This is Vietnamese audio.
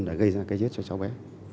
đã gây ra cái chết cho cháu bé